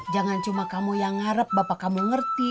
jangan cuma kamu yang ngarep bapak kamu ngerti